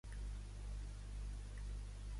Com va reaccionar Podem?